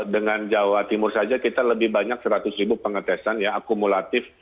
dengan jawa timur saja kita lebih banyak seratus ribu pengetesan ya akumulatif